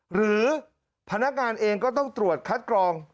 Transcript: หรือพนักงานเองก็ต้องตรวจคัดกรอง